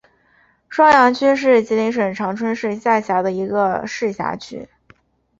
双阳区是吉林省长春市下辖的一个市辖区。